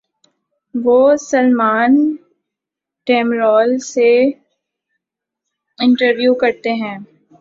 وہ سلمان ڈیمرل سے انٹرویو کرتے ہیں۔